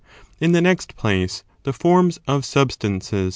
In the next place, the forms of substances ^re 4.